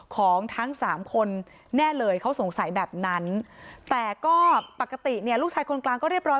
ของทั้งสามคนแน่เลยเขาสงสัยแบบนั้นแต่ก็ปกติเนี่ยลูกชายคนกลางก็เรียบร้อย